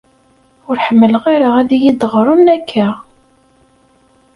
Ur ḥemmleɣ ara ad iyi-d-ɣṛen akka.